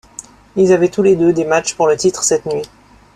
Ils avaient tous les deux des matchs pour le titre cette nuit.